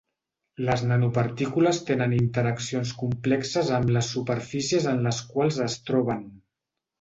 Les nanopartícules tenen interaccions complexes amb les superfícies en les quals es troben.